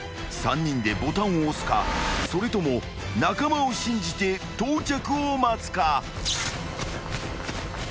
［３人でボタンを押すかそれとも仲間を信じて到着を待つか？］